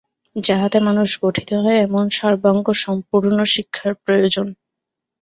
যাহাতে মানুষ গঠিত হয়, এমন সর্বাঙ্গ সম্পূর্ণ শিক্ষার প্রয়োজন।